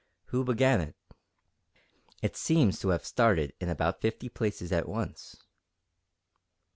"Who began it?" "It seems to have started in about fifty places at once."